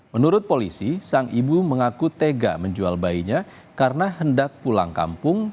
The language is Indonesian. menurut polisi sang ibu mengaku tega menjual bayinya karena hendak pulang kampung